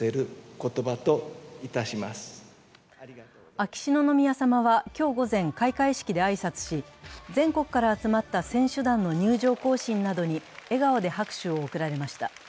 秋篠宮さまは今日午前、開会式で挨拶し、全国から集まった選手団の入場行進などに笑顔で拍手を送られました。